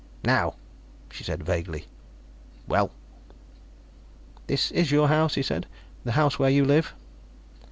"Now," she said vaguely. "Well." "This is your house?" he said. "The house where you live?"